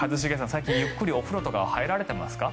最近ゆっくりお風呂とか入ってますか。